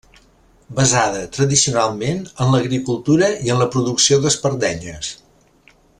Basada tradicionalment en l'agricultura i en la producció d'espardenyes.